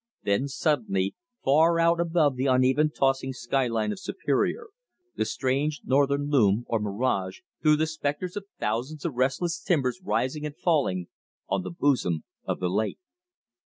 Then suddenly, far out above the uneven tossing skyline of Superior, the strange northern "loom," or mirage, threw the specters of thousands of restless timbers rising and falling on the bosom of the lake.